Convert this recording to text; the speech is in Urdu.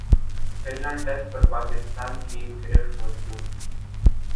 کھلنا ٹیسٹ پر پاکستان کی گرفت مضبوط